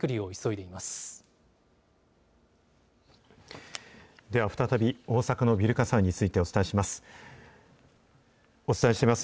では、再び大阪のビル火災についてお伝えします。